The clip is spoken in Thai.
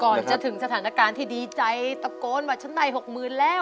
ก่อนจะถึงสถานการณ์ที่ดีใจตะโกนวัชชนัย๖๐๐๐๐บาทแล้ว